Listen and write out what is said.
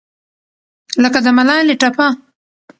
لکه د ملالې ټپه